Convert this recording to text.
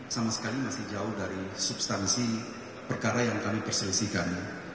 sama sekali masih jauh dari substansi perkara yang kami perselisihkan